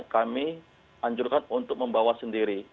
kami anjurkan untuk membawa sendiri